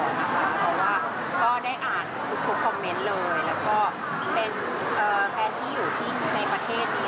เพราะว่าก็ได้อ่านทุกคอมเมนต์เลยแล้วก็เป็นแฟนที่อยู่ที่ในประเทศนี้